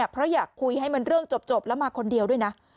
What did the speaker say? เพราะอยากคุยให้มันเรื่องจบแล้วมาคนเดียวด้วยนะ